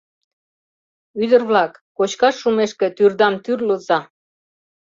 Ӱдыр-влак, кочкаш шумешке тӱрдам тӱрлыза.